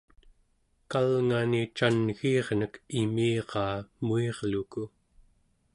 kalngani can'giirnek imiraa muirluku